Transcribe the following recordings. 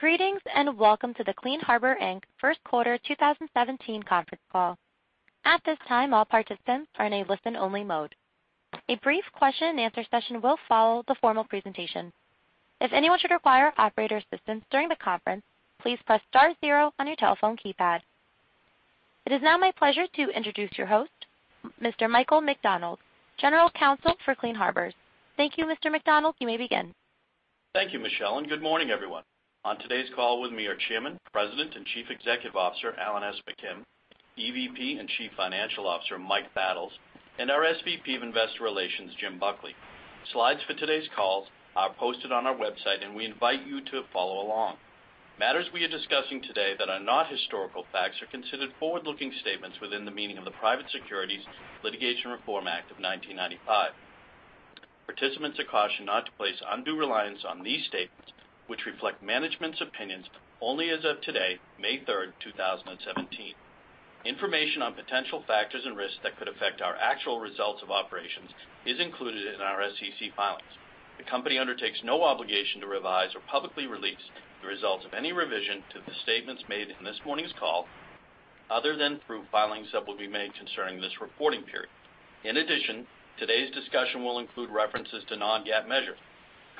Greetings, and welcome to the Clean Harbors, Inc. first quarter 2017 conference call. At this time, all participants are in a listen-only mode. A brief question-and-answer session will follow the formal presentation. If anyone should require operator assistance during the conference, please press star zero on your telephone keypad. It is now my pleasure to introduce your host, Mr. Michael McDonald, General Counsel for Clean Harbors. Thank you, Mr. McDonald, you may begin. Thank you, Michelle, and good morning, everyone. On today's call with me are Chairman, President, and Chief Executive Officer, Alan S. McKim, EVP and Chief Financial Officer, Mike Battles, and our SVP of Investor Relations, Jim Buckley. Slides for today's calls are posted on our website, and we invite you to follow along. Matters we are discussing today that are not historical facts are considered forward-looking statements within the meaning of the Private Securities Litigation Reform Act of 1995. Participants are cautioned not to place undue reliance on these statements, which reflect management's opinions only as of today, May 3rd, 2017. Information on potential factors and risks that could affect our actual results of operations is included in our SEC filings. The company undertakes no obligation to revise or publicly release the results of any revision to the statements made in this morning's call, other than through filings that will be made concerning this reporting period. In addition, today's discussion will include references to non-GAAP measures.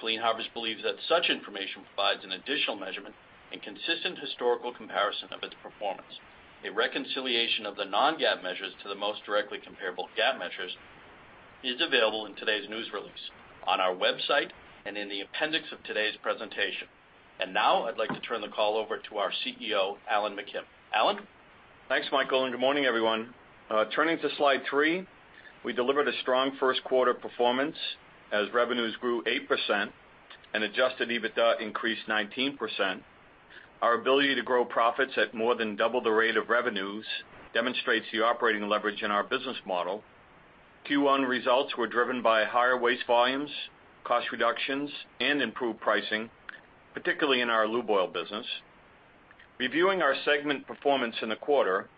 Clean Harbors believes that such information provides an additional measurement and consistent historical comparison of its performance. A reconciliation of the non-GAAP measures to the most directly comparable GAAP measures is available in today's news release, on our website, and in the appendix of today's presentation. Now, I'd like to turn the call over to our CEO, Alan McKim. Alan? Thanks, Michael, and good morning, everyone. Turning to slide 3, we delivered a strong first quarter performance as revenues grew 8% and adjusted EBITDA increased 19%. Our ability to grow profits at more than double the rate of revenues demonstrates the operating leverage in our business model. Q1 results were driven by higher waste volumes, cost reductions, and improved pricing, particularly in our lube oil business. Reviewing our segment performance in the quarter,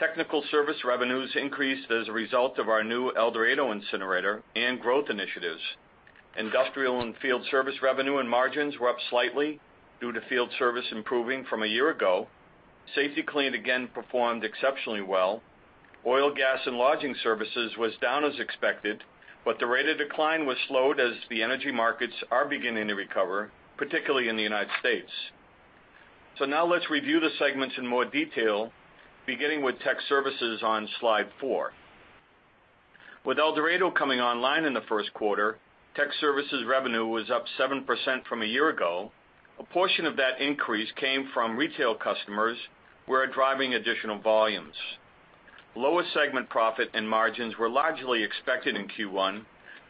Technical Services revenues increased as a result of our new El Dorado incinerator and growth initiatives. Industrial and Field Services revenue and margins were up slightly due to field services improving from a year ago. Safety-Kleen again performed exceptionally well. Oil, Gas, and Lodging Services was down as expected, but the rate of decline was slowed as the energy markets are beginning to recover, particularly in the United States. So now let's review the segments in more detail, beginning with Tech Services on slide 4. With El Dorado coming online in the first quarter, Tech Services revenue was up 7% from a year ago. A portion of that increase came from retail customers, who are driving additional volumes. Lower segment profit and margins were largely expected in Q1,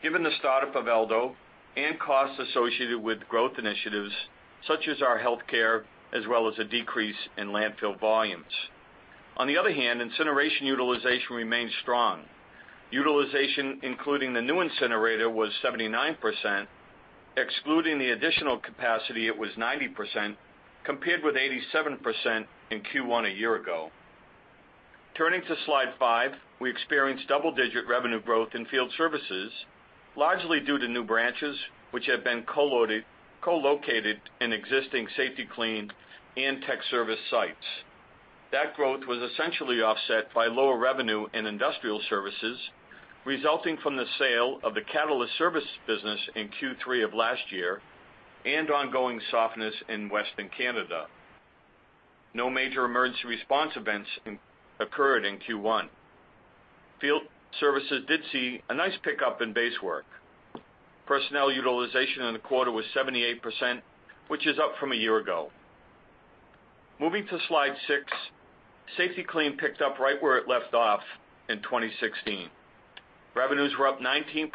given the startup of Eldo and costs associated with growth initiatives such as our healthcare, as well as a decrease in landfill volumes. On the other hand, incineration utilization remained strong. Utilization, including the new incinerator, was 79%. Excluding the additional capacity, it was 90%, compared with 87% in Q1 a year ago. Turning to slide 5, we experienced double-digit revenue growth in field services, largely due to new branches, which have been co-located in existing Safety-Kleen and tech service sites. That growth was essentially offset by lower revenue in Industrial Services, resulting from the sale of the catalyst service business in Q3 of last year and ongoing softness in Western Canada. No major emergency response events occurred in Q1. Field services did see a nice pickup in base work. Personnel utilization in the quarter was 78%, which is up from a year ago. Moving to slide 6, Safety-Kleen picked up right where it left off in 2016. Revenues were up 19%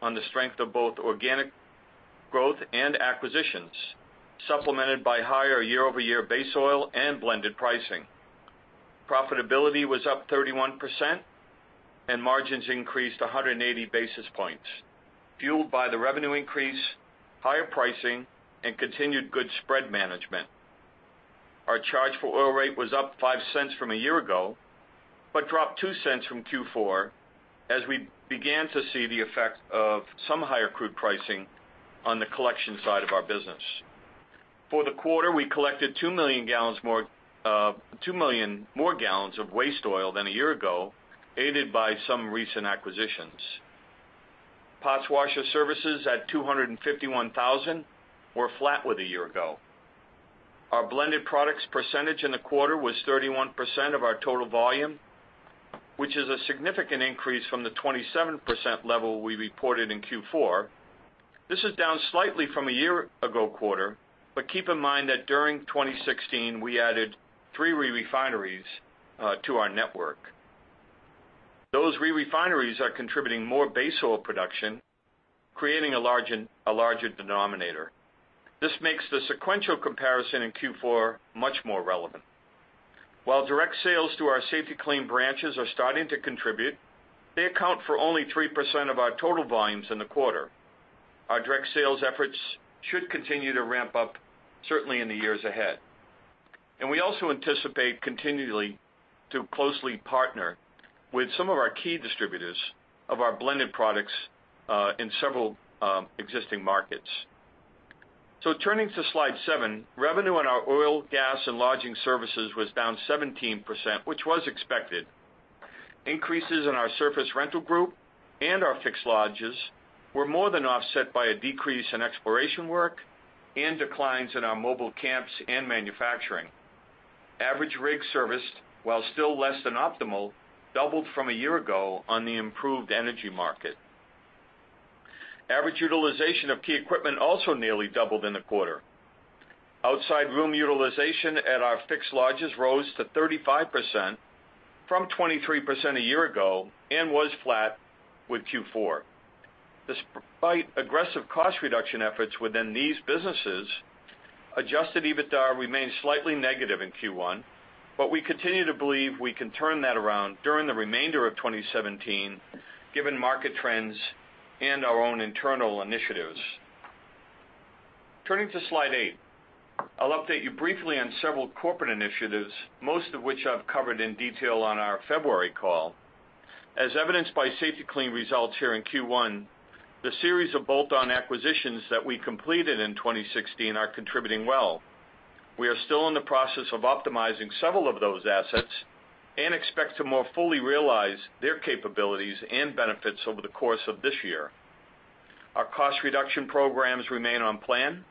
on the strength of both organic growth and acquisitions, supplemented by higher year-over-year base oil and blended pricing. Profitability was up 31% and margins increased 180 basis points, fueled by the revenue increase, higher pricing, and continued good spread management. Our charge for oil rate was up $0.05 from a year ago, but dropped $0.02 from Q4 as we began to see the effect of some higher crude pricing on the collection side of our business. For the quarter, we collected 2 million gal more, 2 million more gal of waste oil than a year ago, aided by some recent acquisitions. Parts washer services at 251,000 were flat with a year ago. Our blended products percentage in the quarter was 31% of our total volume, which is a significant increase from the 27% level we reported in Q4. This is down slightly from a year ago quarter, but keep in mind that during 2016, we added 3 re-refineries to our network. Those re-refineries are contributing more base oil production, creating a larger denominator. This makes the sequential comparison in Q4 much more relevant. While direct sales to our Safety-Kleen branches are starting to contribute, they account for only 3% of our total volumes in the quarter. Our direct sales efforts should continue to ramp up, certainly in the years ahead. And we also anticipate continually to closely partner with some of our key distributors of our blended products in several existing markets. So turning to slide 7, revenue in our Oil, Gas, and Lodging Services was down 17%, which was expected. Increases in our surface rental group and our fixed lodges were more than offset by a decrease in exploration work and declines in our mobile camps and manufacturing. Average rig serviced, while still less than optimal, doubled from a year ago on the improved energy market. Average utilization of key equipment also nearly doubled in the quarter. Outside room utilization at our fixed lodges rose to 35% from 23% a year ago and was flat with Q4. Despite aggressive cost reduction efforts within these businesses, adjusted EBITDA remained slightly negative in Q1, but we continue to believe we can turn that around during the remainder of 2017, given market trends and our own internal initiatives. Turning to slide 8, I'll update you briefly on several corporate initiatives, most of which I've covered in detail on our February call. As evidenced by Safety-Kleen results here in Q1, the series of bolt-on acquisitions that we completed in 2016 are contributing well. We are still in the process of optimizing several of those assets and expect to more fully realize their capabilities and benefits over the course of this year. Our cost reduction programs remain on plan.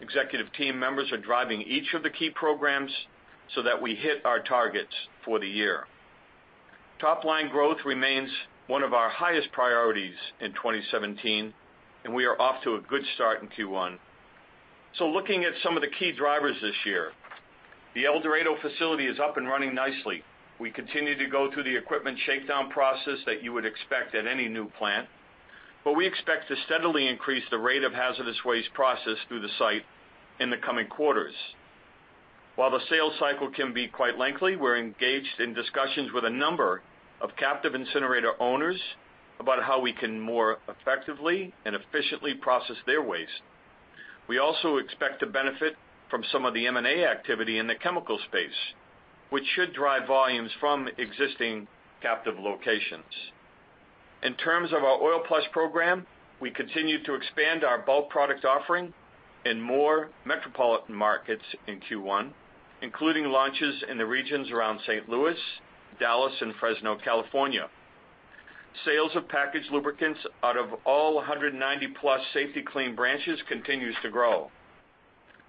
Executive team members are driving each of the key programs so that we hit our targets for the year. Top line growth remains one of our highest priorities in 2017, and we are off to a good start in Q1. Looking at some of the key drivers this year, the El Dorado facility is up and running nicely. We continue to go through the equipment shakedown process that you would expect at any new plant, but we expect to steadily increase the rate of hazardous waste processed through the site in the coming quarters. While the sales cycle can be quite lengthy, we're engaged in discussions with a number of captive incinerator owners about how we can more effectively and efficiently process their waste. We also expect to benefit from some of the M&A activity in the chemical space, which should drive volumes from existing captive locations. In terms of our OilPlus program, we continued to expand our bulk product offering in more metropolitan markets in Q1, including launches in the regions around St. Louis, Dallas, and Fresno, California. Sales of packaged lubricants out of all 190+ Safety-Kleen branches continues to grow.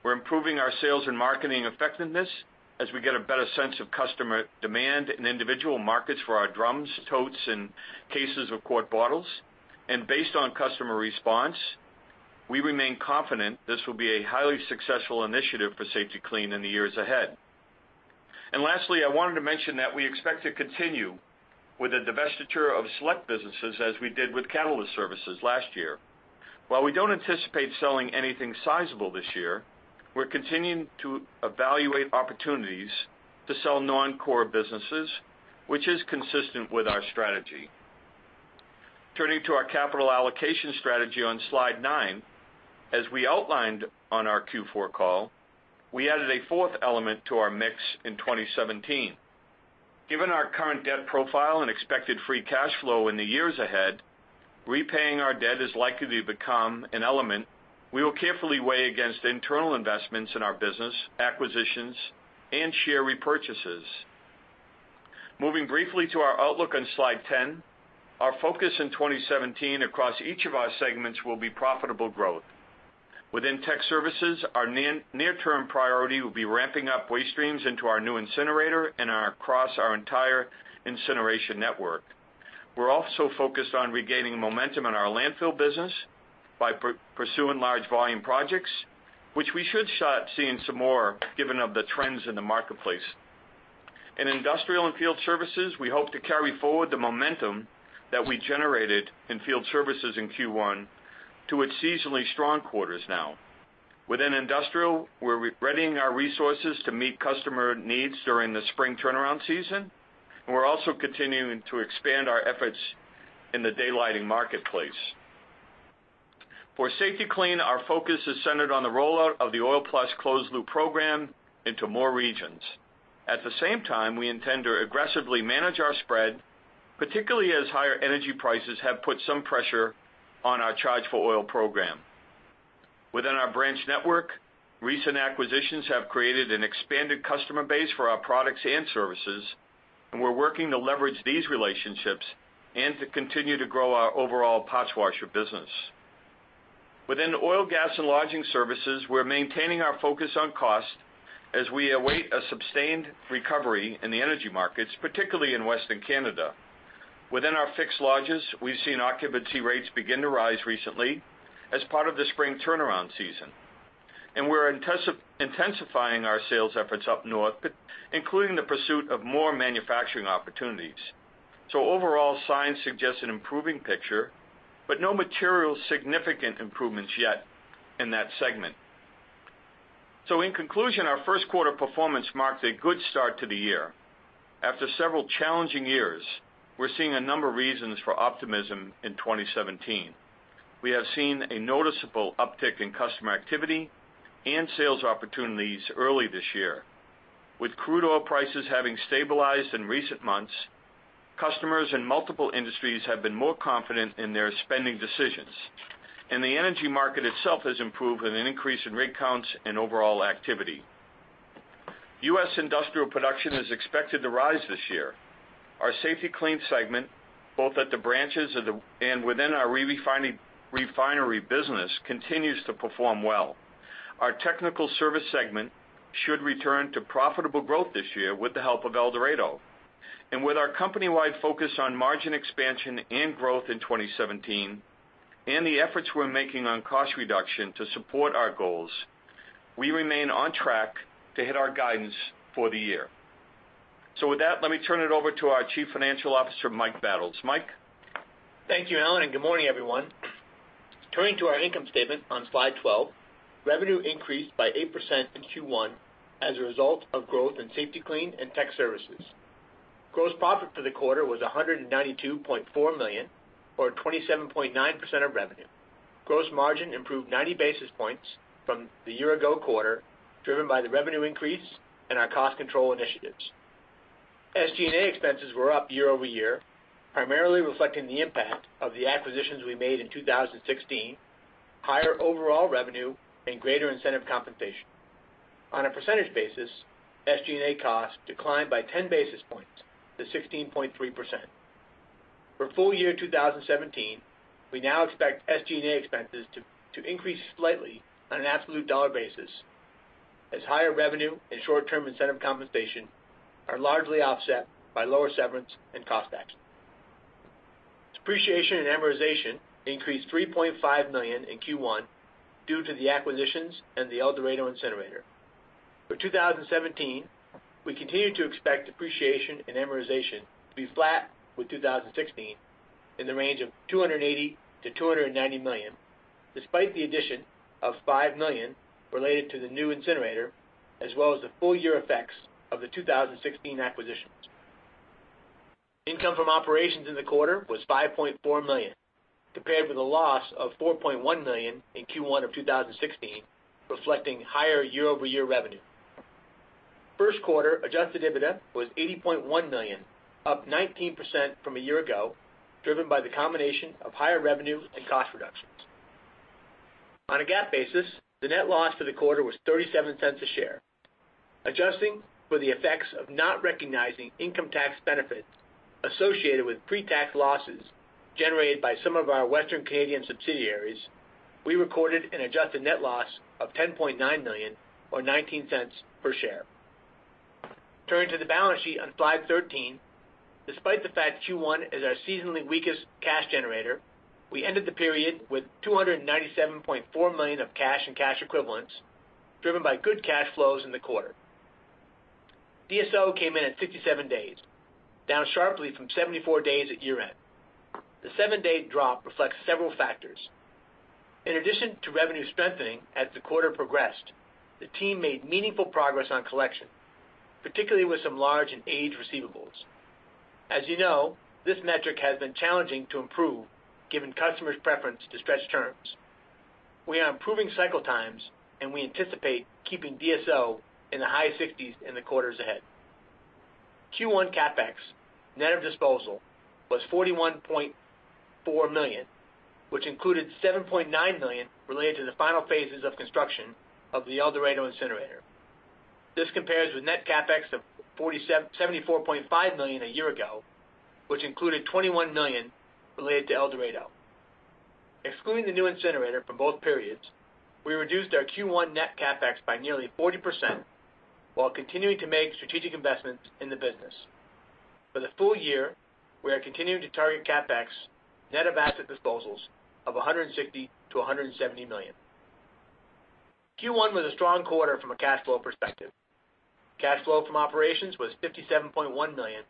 We're improving our sales and marketing effectiveness as we get a better sense of customer demand in individual markets for our drums, totes, and cases of quart bottles. Based on customer response, we remain confident this will be a highly successful initiative for Safety-Kleen in the years ahead. Lastly, I wanted to mention that we expect to continue with the divestiture of select businesses, as we did with Catalyst Services last year. While we don't anticipate selling anything sizable this year, we're continuing to evaluate opportunities to sell non-core businesses, which is consistent with our strategy. Turning to our capital allocation strategy on slide 9. As we outlined on our Q4 call, we added a fourth element to our mix in 2017. Given our current debt profile and expected free cash flow in the years ahead, repaying our debt is likely to become an element we will carefully weigh against internal investments in our business, acquisitions, and share repurchases. Moving briefly to our outlook on slide 10, our focus in 2017 across each of our segments will be profitable growth. Within Tech Services, our near-term priority will be ramping up waste streams into our new incinerator and across our entire incineration network. We're also focused on regaining momentum in our landfill business by pursuing large volume projects, which we should start seeing some more given the trends in the marketplace. In Industrial and Field Services, we hope to carry forward the momentum that we generated in field services in Q1 to its seasonally strong quarters now. Within industrial, we're readying our resources to meet customer needs during the spring turnaround season, and we're also continuing to expand our efforts in the daylighting marketplace. For Safety-Kleen, our focus is centered on the rollout of the OilPlus Closed Loop program into more regions. At the same time, we intend to aggressively manage our spread, particularly as higher energy prices have put some pressure on our charge-for-oil program. Within our branch network, recent acquisitions have created an expanded customer base for our products and services, and we're working to leverage these relationships and to continue to grow our overall parts washer business. Within Oil, Gas, and Lodging Services, we're maintaining our focus on cost as we await a sustained recovery in the energy markets, particularly in Western Canada. Within our fixed lodges, we've seen occupancy rates begin to rise recently as part of the spring turnaround season, and we're intensifying our sales efforts up north, including the pursuit of more manufacturing opportunities. So overall, signs suggest an improving picture, but no material significant improvements yet in that segment. So in conclusion, our first quarter performance marked a good start to the year.... After several challenging years, we're seeing a number of reasons for optimism in 2017. We have seen a noticeable uptick in customer activity and sales opportunities early this year. With crude oil prices having stabilized in recent months, customers in multiple industries have been more confident in their spending decisions, and the energy market itself has improved with an increase in rig counts and overall activity. US industrial production is expected to rise this year. Our Safety-Kleen segment, both at the branches and within our refining, refinery business, continues to perform well. Our technical service segment should return to profitable growth this year with the help of El Dorado. With our company-wide focus on margin expansion and growth in 2017, and the efforts we're making on cost reduction to support our goals, we remain on track to hit our guidance for the year. So with that, let me turn it over to our Chief Financial Officer, Mike Battles. Mike? Thank you, Alan, and good morning, everyone. Turning to our income statement on slide 12, revenue increased by 8% in Q1 as a result of growth in Safety-Kleen and Tech Services. Gross profit for the quarter was $192.4 million, or 27.9% of revenue. Gross margin improved 90 basis points from the year-ago quarter, driven by the revenue increase and our cost control initiatives. SG&A expenses were up year-over-year, primarily reflecting the impact of the acquisitions we made in 2016, higher overall revenue and greater incentive compensation. On a percentage basis, SG&A costs declined by 10 basis points to 16.3%. For full year 2017, we now expect SG&A expenses to increase slightly on an absolute dollar basis, as higher revenue and short-term incentive compensation are largely offset by lower severance and cost action. Depreciation and amortization increased $3.5 million in Q1 due to the acquisitions and the El Dorado incinerator. For 2017, we continue to expect depreciation and amortization to be flat with 2016, in the range of $280 million-$290 million, despite the addition of $5 million related to the new incinerator, as well as the full year effects of the 2016 acquisitions. Income from operations in the quarter was $5.4 million, compared with a loss of $4.1 million in Q1 of 2016, reflecting higher year-over-year revenue. First quarter adjusted EBITDA was $80.1 million, up 19% from a year ago, driven by the combination of higher revenue and cost reductions. On a GAAP basis, the net loss for the quarter was $0.37 per share. Adjusting for the effects of not recognizing income tax benefits associated with pretax losses generated by some of our Western Canadian subsidiaries, we recorded an adjusted net loss of $10.9 million, or $0.19 per share. Turning to the balance sheet on slide 13, despite the fact Q1 is our seasonally weakest cash generator, we ended the period with $297.4 million of cash and cash equivalents, driven by good cash flows in the quarter. DSO came in at 57 days, down sharply from 74 days at year-end. The 7-day drop reflects several factors. In addition to revenue strengthening as the quarter progressed, the team made meaningful progress on collection, particularly with some large and aged receivables. As you know, this metric has been challenging to improve given customers' preference to stretch terms. We are improving cycle times, and we anticipate keeping DSO in the high sixties in the quarters ahead. Q1 CapEx, net of disposal, was $41.4 million, which included $7.9 million related to the final phases of construction of the El Dorado incinerator. This compares with net CapEx of $74.5 million a year ago, which included $21 million related to El Dorado. Excluding the new incinerator from both periods, we reduced our Q1 net CapEx by nearly 40% while continuing to make strategic investments in the business. For the full year, we are continuing to target CapEx, net of asset disposals, of $160 million-$170 million. Q1 was a strong quarter from a cash flow perspective. Cash flow from operations was $57.1 million,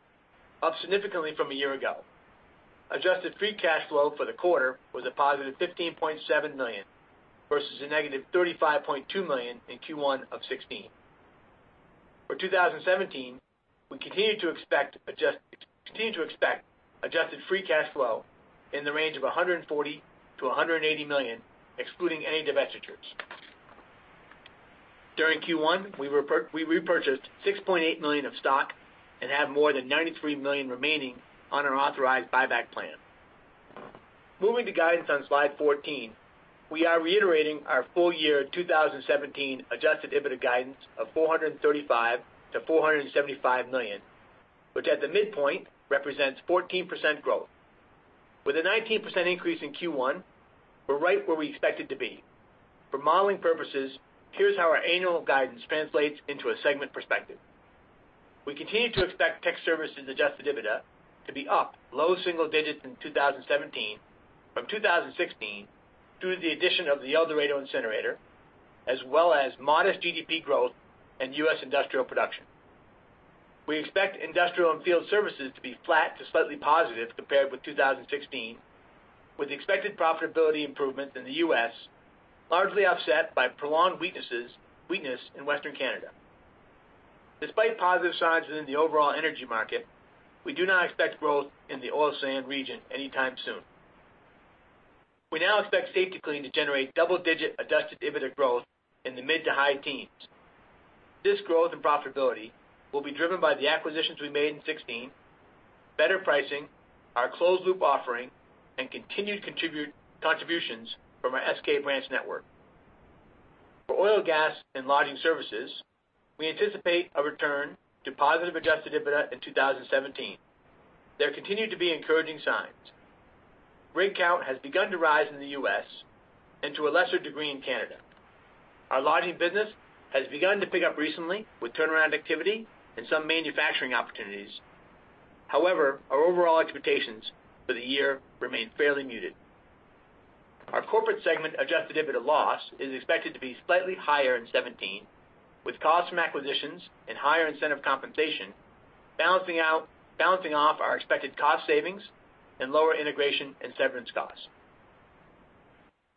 up significantly from a year ago. Adjusted free cash flow for the quarter was a positive $15.7 million, versus a negative $35.2 million in Q1 of 2016. For 2017, we continue to expect adjusted free cash flow in the range of $140 million-$180 million, excluding any divestitures. During Q1, we repurchased $6.8 million of stock and have more than $93 million remaining on our authorized buyback plan. Moving to guidance on slide 14, we are reiterating our full year 2017 adjusted EBITDA guidance of $435 million-$475 million, which at the midpoint represents 14% growth. With a 19% increase in Q1, we're right where we expected to be. For modeling purposes, here's how our annual guidance translates into a segment perspective. We continue to expect Tech Services adjusted EBITDA to be up low single digits in 2017 from 2016 due to the addition of the El Dorado incinerator, as well as modest GDP growth and U.S. industrial production. We expect Industrial and Field Services to be flat to slightly positive compared with 2016, with expected profitability improvements in the U.S., largely offset by prolonged weakness in Western Canada. Despite positive signs within the overall energy market, we do not expect growth in the oil sand region anytime soon. We now expect Safety-Kleen to generate double-digit adjusted EBITDA growth in the mid to high teens. This growth and profitability will be driven by the acquisitions we made in 2016, better pricing, our closed loop offering, and continued contributions from our SK Brands network. For Oil, Gas, and Lodging Services, we anticipate a return to positive adjusted EBITDA in 2017. There continue to be encouraging signs. Rig count has begun to rise in the U.S., and to a lesser degree, in Canada. Our lodging business has begun to pick up recently with turnaround activity and some manufacturing opportunities. However, our overall expectations for the year remain fairly muted. Our corporate segment Adjusted EBITDA loss is expected to be slightly higher in 2017, with costs from acquisitions and higher incentive compensation balancing out our expected cost savings and lower integration and severance costs.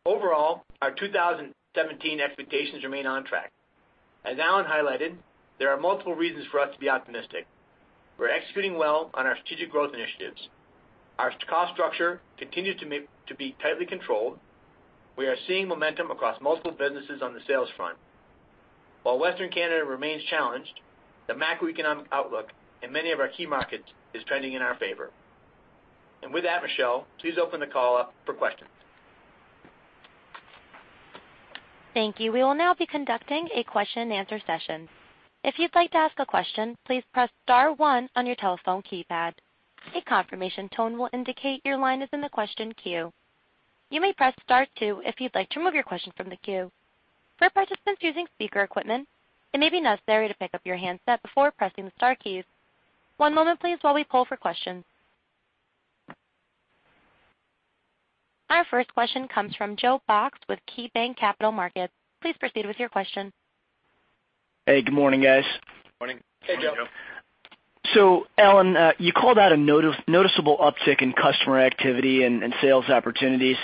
Overall, our 2017 expectations remain on track. As Alan highlighted, there are multiple reasons for us to be optimistic. We're executing well on our strategic growth initiatives. Our cost structure continues to be tightly controlled. We are seeing momentum across multiple businesses on the sales front. While Western Canada remains challenged, the macroeconomic outlook in many of our key markets is trending in our favor. And with that, Michelle, please open the call up for questions. Thank you. We will now be conducting a question-and-answer session. If you'd like to ask a question, please press star one on your telephone keypad. A confirmation tone will indicate your line is in the question queue. You may press star two if you'd like to remove your question from the queue. For participants using speaker equipment, it may be necessary to pick up your handset before pressing the star keys. One moment, please, while we poll for questions. Our first question comes from Joe Box with KeyBank Capital Markets. Please proceed with your question. Hey, good morning, guys. Good morning. Hey, Joe. So, Alan, you called out a noticeable uptick in customer activity and sales opportunities.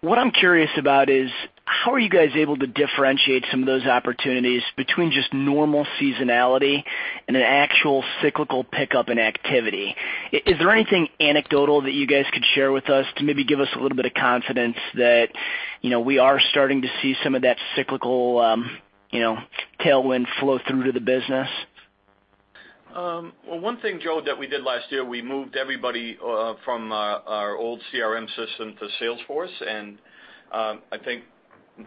What I'm curious about is, how are you guys able to differentiate some of those opportunities between just normal seasonality and an actual cyclical pickup in activity? Is there anything anecdotal that you guys could share with us to maybe give us a little bit of confidence that, you know, we are starting to see some of that cyclical, you know, tailwind flow through to the business? Well, one thing, Joe, that we did last year, we moved everybody from our old CRM system to Salesforce, and I think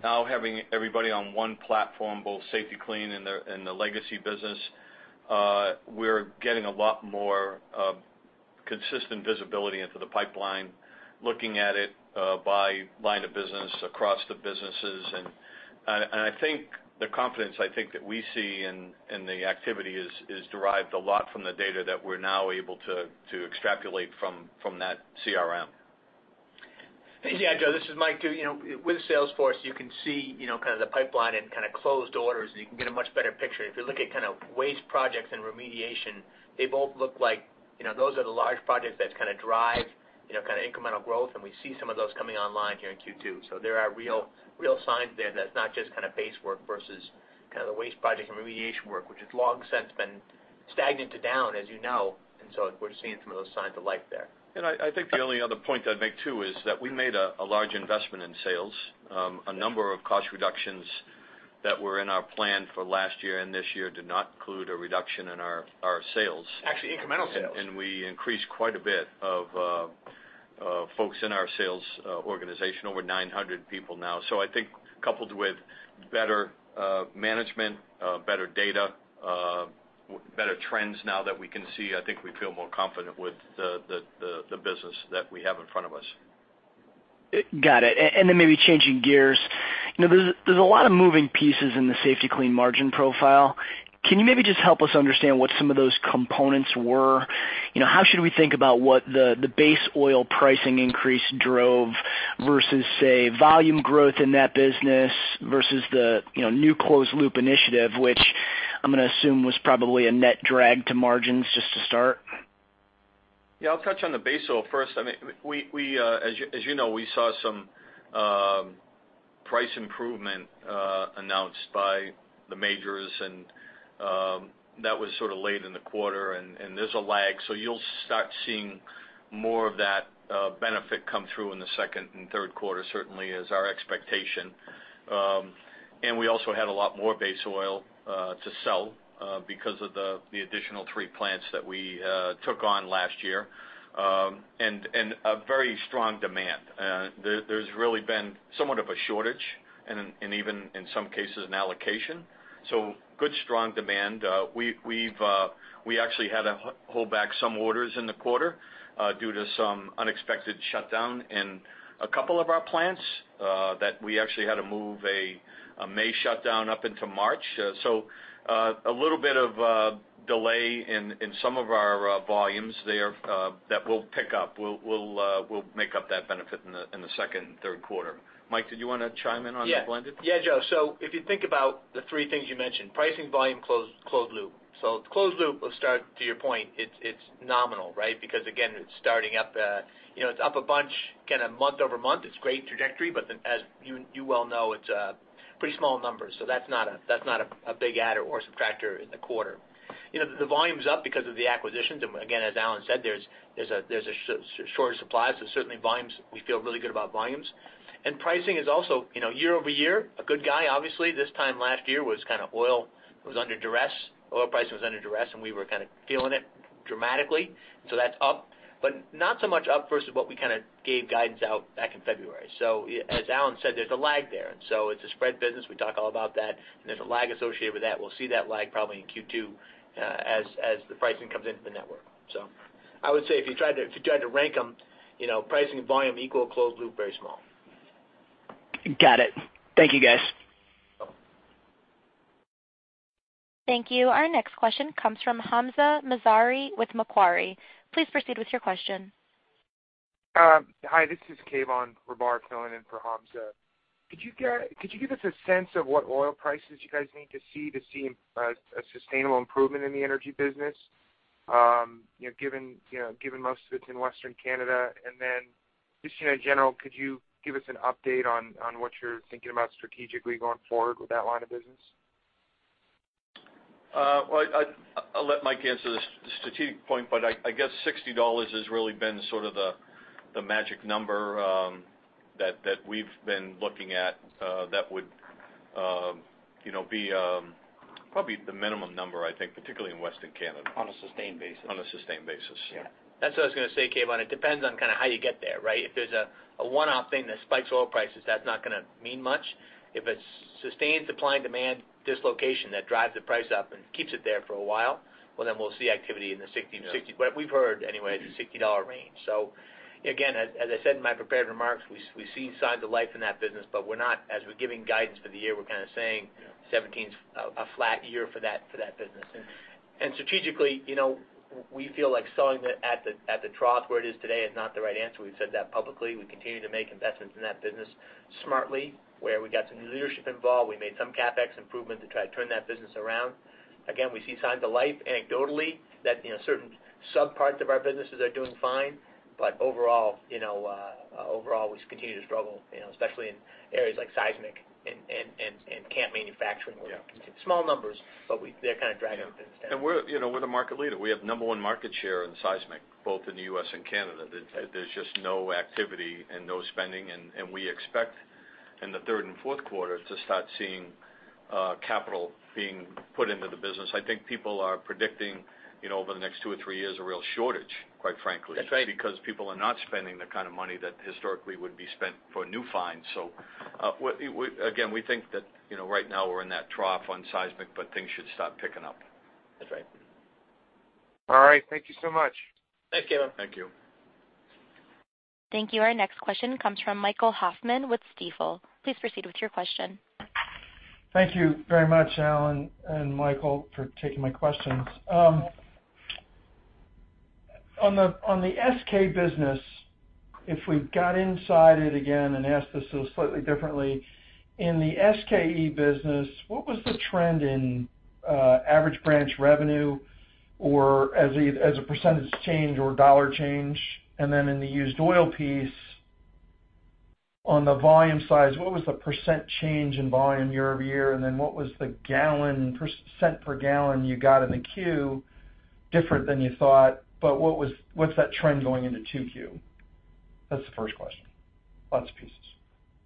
now having everybody on one platform, both Safety-Kleen and the, and the legacy business, we're getting a lot more consistent visibility into the pipeline, looking at it by line of business across the businesses. And I think the confidence, I think, that we see in the activity is derived a lot from the data that we're now able to extrapolate from that CRM. Yeah, Joe, this is Mike, too. You know, with Salesforce, you can see, you know, kind of the pipeline and kind of closed orders, and you can get a much better picture. If you look at kind of waste projects and remediation, they both look like, you know, those are the large projects that kind of drive, you know, kind of incremental growth, and we see some of those coming onl`ine here in Q2. So there are real, real signs there that's not just kind of base work versus kind of the waste project and remediation work, which has long since been stagnant to down, as you know, and so we're just seeing some of those signs of life there. I think the only other point I'd make, too, is that we made a large investment in sales. A number of cost reductions that were in our plan for last year and this year did not include a reduction in our sales. Actually, incremental sales. And we increased quite a bit of folks in our sales organization, over 900 people now. So I think coupled with better management, better data, better trends now that we can see, I think we feel more confident with the business that we have in front of us. Got it. And then maybe changing gears, you know, there's a lot of moving pieces in the Safety-Kleen margin profile. Can you maybe just help us understand what some of those components were? You know, how should we think about what the base oil pricing increase drove versus, say, volume growth in that business versus the, you know, new closed loop initiative, which I'm gonna assume was probably a net drag to margins just to start? Yeah, I'll touch on the base oil first. I mean, as you know, we saw some price improvement announced by the majors, and that was sort of late in the quarter, and there's a lag. So you'll start seeing more of that benefit come through in the second and third quarter, certainly is our expectation. And we also had a lot more base oil to sell because of the additional three plants that we took on last year, and a very strong demand. There's really been somewhat of a shortage and even in some cases, an allocation. So good, strong demand. We've actually had to hold back some orders in the quarter due to some unexpected shutdown in a couple of our plants that we actually had to move a May shutdown up into March. So, a little bit of delay in some of our volumes there that will pick up. We'll make up that benefit in the second and third quarter. Mike, did you wanna chime in on the blended? Yeah. Yeah, Joe. So if you think about the three things you mentioned, pricing, volume, closed loop. So closed loop, let's start to your point, it's nominal, right? Because again, it's starting up, you know, it's up a bunch, kind of month-over-month. It's great trajectory, but then as you well know, it's pretty small numbers. So that's not a big adder or subtractor in the quarter. You know, the volume's up because of the acquisitions, and again, as Alan said, there's a shorter supply, so certainly volumes, we feel really good about volumes. And pricing is also, you know, year-over-year, a good guy. Obviously, this time last year was kind of oil was under duress. Oil price was under duress, and we were kind of feeling it dramatically, so that's up. But not so much up versus what we kind of gave guidance out back in February. So as Alan said, there's a lag there, and so it's a spread business. We talk all about that, and there's a lag associated with that. We'll see that lag probably in Q2, as the pricing comes into the network. So I would say if you tried to, if you tried to rank them, you know, pricing and volume equal, closed loop, very small. Got it. Thank you, guys. Yep. Thank you. Our next question comes from Hamza Mazari with Macquarie. Please proceed with your question. Hi, this is Kayvon Rahbar filling in for Hamza Mazari. Could you give us a sense of what oil prices you guys need to see to see a sustainable improvement in the energy business? You know, given most of it's in Western Canada, and then just, you know, in general, could you give us an update on what you're thinking about strategically going forward with that line of business? Well, I'll let Mike answer the strategic point, but I guess $60 has really been sort of the magic number that we've been looking at that would, you know, be probably the minimum number, I think, particularly in Western Canada. On a sustained basis. On a sustained basis. Yeah. That's what I was gonna say, Kayvon. It depends on kind of how you get there, right? If there's a one-off thing that spikes oil prices, that's not gonna mean much. If it's sustained supply and demand dislocation that drives the price up and keeps it there for a while, well, then we'll see activity in the 60 to 60- Yeah. But we've heard anyway, the $60 range. So again, as I said in my prepared remarks, we've seen signs of life in that business, but we're not—as we're giving guidance for the year, we're kind of saying- Yeah... 2017's a flat year for that business. Yeah. Strategically, you know, we feel like selling it at the trough where it is today is not the right answer. We've said that publicly. We continue to make investments in that business smartly, where we got some new leadership involved. We made some CapEx improvement to try to turn that business around. Again, we see signs of life anecdotally, that, you know, certain subparts of our businesses are doing fine. But overall, you know, overall, we continue to struggle, you know, especially in areas like seismic and camp manufacturing- Yeah... where small numbers, but we, they're kind of driving up instead. Yeah. And we're, you know, we're the market leader. We have No. 1 market share in seismic, both in the U.S. and Canada. There's just no activity and no spending, and we expect in the third and fourth quarter to start seeing capital being put into the business. I think people are predicting, you know, over the next two or three years, a real shortage, quite frankly. That's right. Because people are not spending the kind of money that historically would be spent for new finds. So, we again, we think that, you know, right now we're in that trough on seismic, but things should start picking up. That's right. All right. Thank you so much. Thanks, Kayvon. Thank you. Thank you. Our next question comes from Michael Hoffman with Stifel. Please proceed with your question. Thank you very much, Alan and Michael, for taking my questions. On the SK business, if we got inside it again and asked this slightly differently, in the SK business, what was the trend in average branch revenue or as a percentage change or dollar change? And then in the used oil piece, on the volume size, what was the percent change in volume year-over-year, and then what was the percent per gallon you got in the Q different than you thought, but what's that trend going into 2Q? That's the first question. Lots of pieces.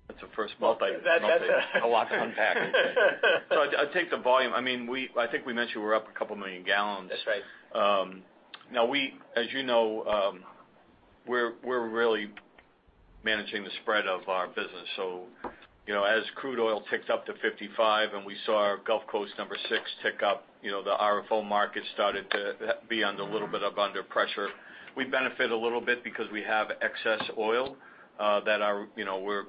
That's the first multi- That's a a lot to unpack. So I'd, I'd take the volume. I mean, we, I think we mentioned we're up 2 million gal. That's right. Now we, as you know, we're really managing the spread of our business. So, you know, as crude oil ticks up to 55 and we saw our Gulf Coast Number 6 tick up, you know, the RFO market started to be on the little bit up under pressure. We benefit a little bit because we have excess oil that our, you know,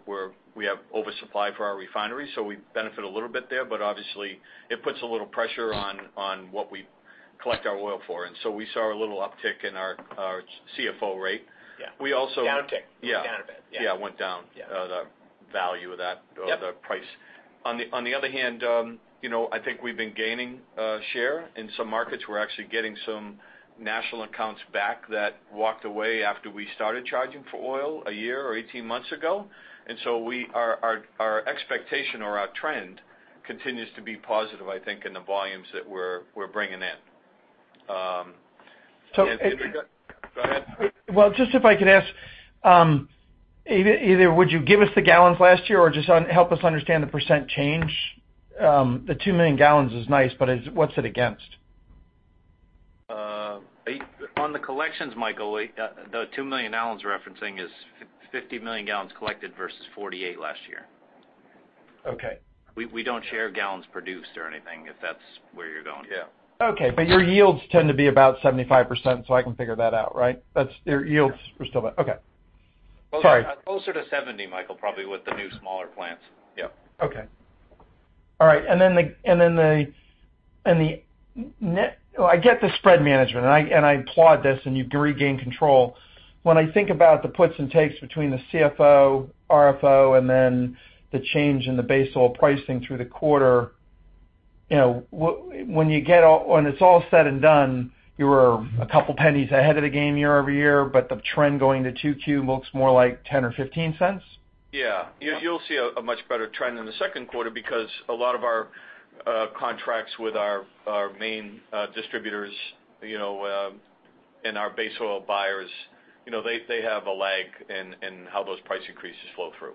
we have oversupply for our refineries, so we benefit a little bit there. But obviously, it puts a little pressure on what we collect our oil for. And so we saw a little uptick in our CFO rate. Yeah. We also- Down tick. Yeah. Down a bit. Yeah, it went down. Yeah. The value of that- Yep... or the price. On the other hand, you know, I think we've been gaining share. In some markets, we're actually getting some national accounts back that walked away after we started charging for oil a year or 18 months ago. And so our expectation or our trend continues to be positive, I think, in the volumes that we're bringing in. Go ahead. Well, just if I could ask, either would you give us the gal last year or just help us understand the percent change? The 2 million gal is nice, but what's it against? On the collections, Michael, the 2 million gal referencing is 50 million gal collected versus 48 last year. Okay. We don't share gal produced or anything, if that's where you're going. Yeah. Okay. But your yields tend to be about 75%, so I can figure that out, right? That's, your yields are still about... Okay.... Sorry, closer to 70, Michael, probably with the new smaller plants. Yep. Okay. All right, I get the spread management, and I applaud this, and you do regain control. When I think about the puts and takes between the CFO, RFO, and then the change in the base oil pricing through the quarter, you know, when it's all said and done, you were $0.02 ahead of the game year-over-year, but the trend going to 2Q looks more like $0.10-$0.15? Yeah. You'll see a much better trend in the second quarter because a lot of our contracts with our main distributors, you know, and our base oil buyers, you know, they have a lag in how those price increases flow through.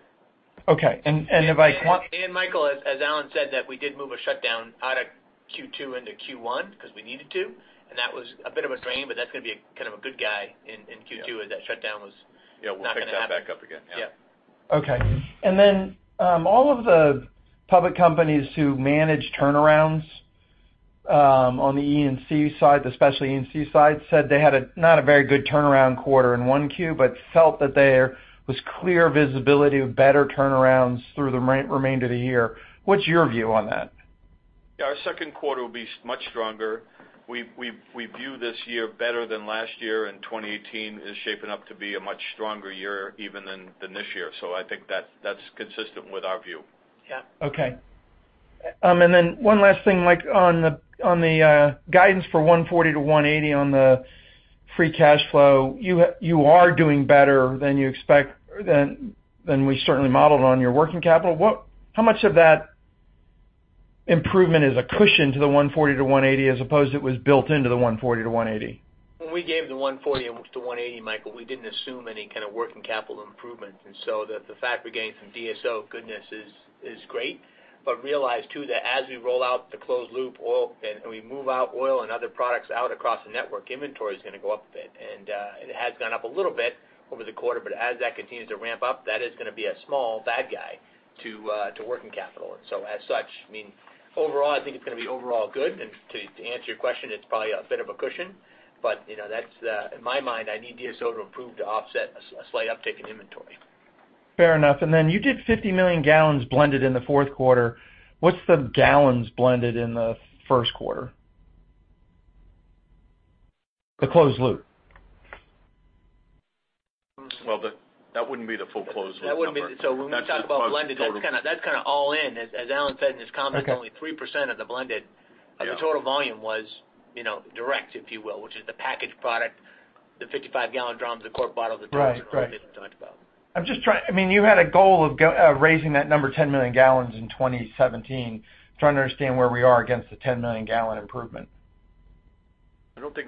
Okay. And if I want- Michael, as Alan said, that we did move a shutdown out of Q2 into Q1 'cause we needed to, and that was a bit of a drain, but that's gonna be a kind of a good guy in Q2, as that shutdown was- Yeah, we'll pick that back up again. Yeah. Okay. And then, all of the public companies who manage turnarounds, on the E&C side, especially E and C side, said they had a, not a very good turnaround quarter in 1Q, but felt that there was clear visibility of better turnarounds through the remainder of the year. What's your view on that? Yeah, our second quarter will be so much stronger. We view this year better than last year, and 2018 is shaping up to be a much stronger year even than this year. So I think that's consistent with our view. Yeah. Okay. And then one last thing, Mike, on the guidance for $140-$180 on the free cash flow, you are doing better than you expect than we certainly modeled on your working capital. How much of that improvement is a cushion to the $140-$180, as opposed it was built into the $140-$180? When we gave the $140-$180, Michael, we didn't assume any kind of working capital improvement. And so the fact we're getting some DSO goodness is great. But realize, too, that as we roll out the closed loop oil and we move out oil and other products out across the network, inventory is gonna go up a bit. And it has gone up a little bit over the quarter, but as that continues to ramp up, that is gonna be a small bad guy to working capital. And so as such, I mean, overall, I think it's gonna be overall good. And to answer your question, it's probably a bit of a cushion, but you know, that's in my mind, I need DSO to improve to offset a slight uptick in inventory. Fair enough. Then you did 50 million gal blended in the fourth quarter. What's the gal blended in the first quarter? The closed loop. Well, that wouldn't be the full closed loop. That wouldn't be... So when we talk about blended, that's kinda, that's kinda all in. As Alan said in his comment, only 3% of the blended- Yeah... of the total volume was, you know, direct, if you will, which is the packaged product, the 55 gal drums, the quart bottle, the- Right. Right. Different talk about. I'm just trying... I mean, you had a goal of raising that number, 10 million gal in 2017. Trying to understand where we are against the 10 million gal improvement. I don't think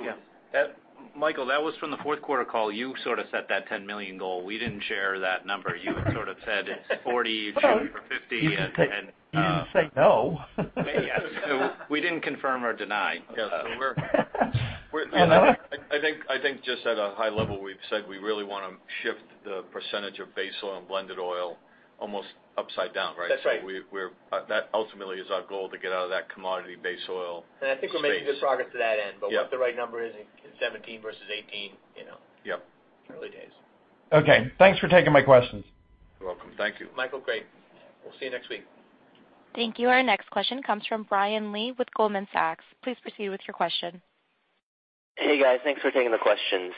that Michael, that was from the fourth quarter call. You sort of set that 10 million goal. We didn't share that number. You sort of said it's 40, shooting for 50, and You didn't say no. We didn't confirm or deny. Yes, we're- Another one. I think just at a high level, we've said we really wanna shift the percentage of base oil and blended oil almost upside down, right? That's right. That ultimately is our goal to get out of that commodity-based oil. And I think we're making good progress to that end. Yeah. But what the right number is in 2017 versus 2018, you know. Yeah. Early days. Okay. Thanks for taking my questions. You're welcome. Thank you. Michael, great. We'll see you next week. Thank you. Our next question comes from Brian Lee with Goldman Sachs. Please proceed with your question. Hey, guys. Thanks for taking the questions.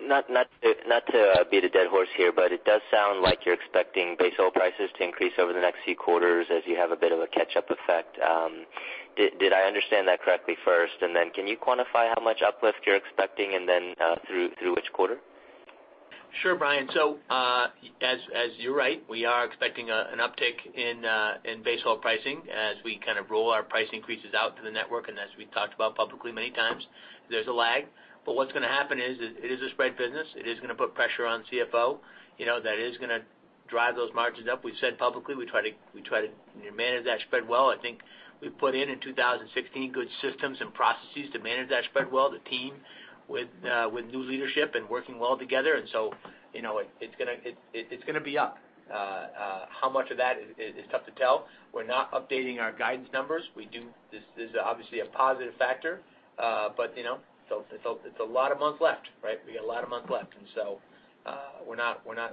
Not to beat a dead horse here, but it does sound like you're expecting base oil prices to increase over the next few quarters as you have a bit of a catch-up effect. Did I understand that correctly, first? And then can you quantify how much uplift you're expecting, and then through which quarter? Sure, Brian. So, as you're right, we are expecting an uptick in base oil pricing as we kind of roll our price increases out to the network. And as we've talked about publicly many times, there's a lag. But what's gonna happen is, it is a spread business. It is gonna put pressure on CFO. You know, that is gonna drive those margins up. We've said publicly, we try to manage that spread well. I think we put in, in 2016, good systems and processes to manage that spread well, the team with new leadership and working well together. And so, you know, it's gonna be up. How much of that is tough to tell. We're not updating our guidance numbers. This is obviously a positive factor, but you know, so it's a lot of months left, right? We got a lot of months left, and so we're not gonna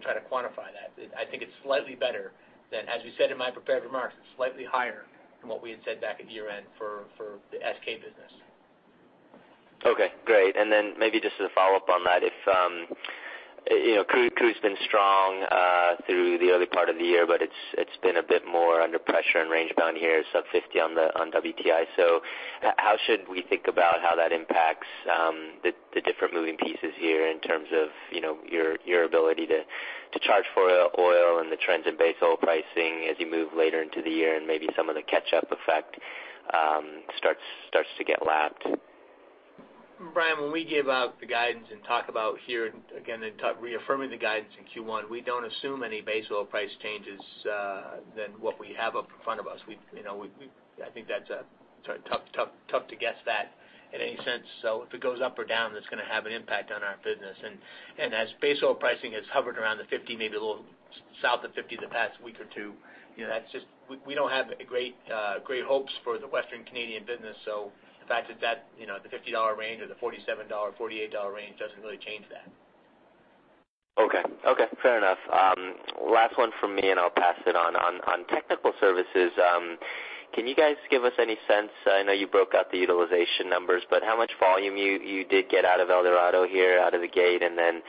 try to quantify that. I think it's slightly better than, as you said in my prepared remarks, it's slightly higher than what we had said back at year-end for the SK business. Okay, great. And then maybe just as a follow-up on that, if you know, crude's been strong through the early part of the year, but it's been a bit more under pressure and range bound here, sub 50 on the WTI. So how should we think about how that impacts the different moving pieces here in terms of you know, your ability to charge for oil and the trends in base oil pricing as you move later into the year and maybe some of the catch-up effect starts to get lapped? Brian, when we give out the guidance and talk about here, again, in reaffirming the guidance in Q1, we don't assume any base oil price changes than what we have up in front of us. We, you know, I think that's sort of tough to guess that in any sense. So if it goes up or down, it's gonna have an impact on our business. And as base oil pricing has hovered around the $50, maybe a little south of $50 the past week or two. You know, that's just we don't have great hopes for the Western Canadian business. So the fact that that, you know, the $50 range or the $47, $48 range doesn't really change that. Okay. Okay, fair enough. Last one from me, and I'll pass it on. On technical services, can you guys give us any sense... I know you broke out the utilization numbers, but how much volume you did get out of El Dorado here, out of the gate? And then,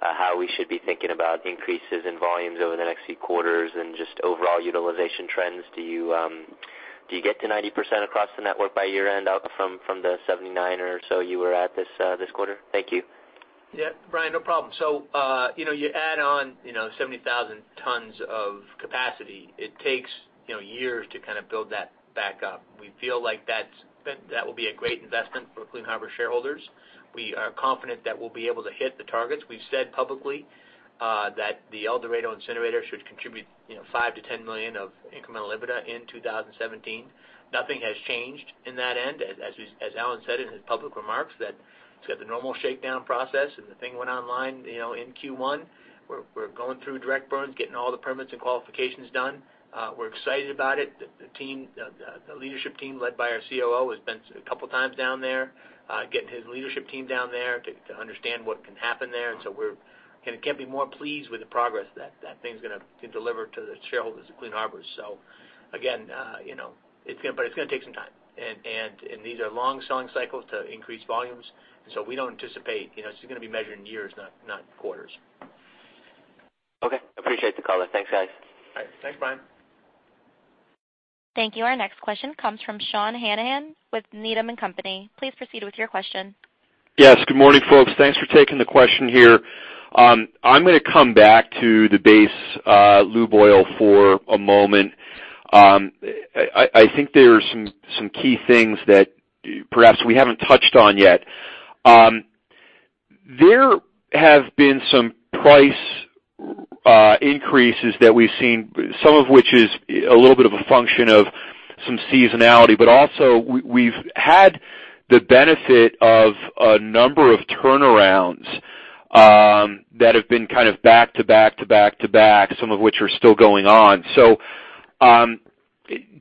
how we should be thinking about increases in volumes over the next few quarters and just overall utilization trends. Do you get to 90% across the network by year-end, out from the 79 or so you were at this quarter? Thank you. Yeah, Brian, no problem. So, you know, you add on, you know, 70,000 tons of capacity, it takes, you know, years to kind of build that back up. We feel like that's – that will be a great investment for Clean Harbors shareholders. We are confident that we'll be able to hit the targets. We've said publicly that the El Dorado incinerator should contribute, you know, $5 million-$10 million of incremental EBITDA in 2017. Nothing has changed in that end. As Alan said in his public remarks, that it's got the normal shakedown process, and the thing went online, you know, in Q1. We're going through direct burns, getting all the permits and qualifications done. We're excited about it. The leadership team, led by our COO, has been a couple of times down there, getting his leadership team down there to understand what can happen there. And so we're again. Can't be more pleased with the progress that thing's gonna deliver to the shareholders of Clean Harbors. So again, you know, it's gonna, but it's gonna take some time, and these are long selling cycles to increase volumes, and so we don't anticipate, you know, this is gonna be measured in years, not quarters. Okay. Appreciate the call. Thanks, guys. All right. Thanks, Brian. Thank you. Our next question comes from Sean Hannan with Needham and Company. Please proceed with your question. Yes, good morning, folks. Thanks for taking the question here. I'm gonna come back to the base lube oil for a moment. I think there are some key things that perhaps we haven't touched on yet. There have been some price increases that we've seen, some of which is a little bit of a function of some seasonality, but also we've had the benefit of a number of turnarounds that have been kind of back to back to back to back, some of which are still going on. So,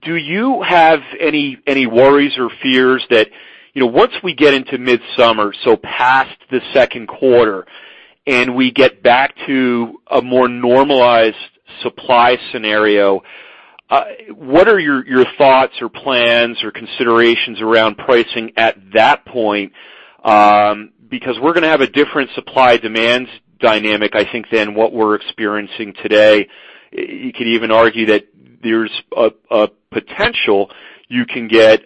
do you have any worries or fears that, you know, once we get into midsummer, so past the second quarter, and we get back to a more normalized supply scenario, what are your thoughts or plans, or considerations around pricing at that point? Because we're gonna have a different supply-demand dynamic, I think, than what we're experiencing today. You could even argue that there's a potential you can get